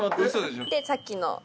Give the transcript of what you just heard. でさっきの。